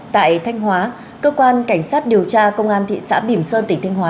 tại thanh hóa cơ quan cảnh sát điều tra công an thị xã bìm sơn tỉnh thanh hóa